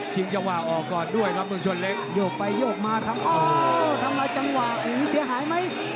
คิงจังหวะออกก่อนด้วยครับเมืองชนเล็กยกไปยกมาอ๋อทำอะไรจังหวะอย่างเนี้ยเสียหายไหม